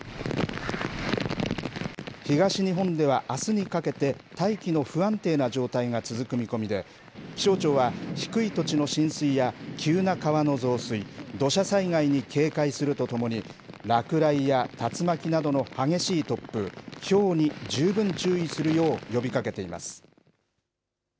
東日本ではあすにかけて、大気の不安定な状態が続く見込みで、気象庁は、低い土地の浸水や急な川の増水、土砂災害に警戒するとともに、落雷や竜巻などの激しい突風、ひょうに十分注意するよう呼びかけています。